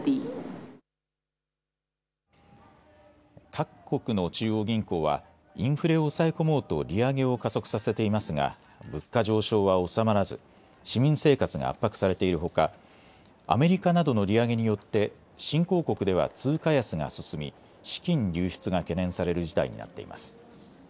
各国の中央銀行はインフレを抑え込もうと利上げを加速させていますが物価上昇は収まらず市民生活が圧迫されているほか、アメリカなどの利上げによって新興国では通貨安が進み資金流出が懸念される事態になっています。